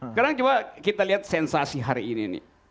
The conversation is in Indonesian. sekarang coba kita lihat sensasi hari ini nih